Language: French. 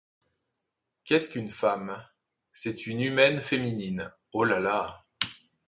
Qu'est-ce qu'une femme ? C'est une humaine féminine ! Olala !